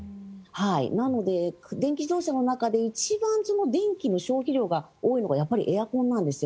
なので、電気自動車の中で一番、電気の消費量が多いのがエアコンなんですよ。